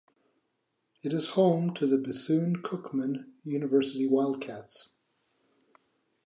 It is home to the Bethune-Cookman University Wildcats.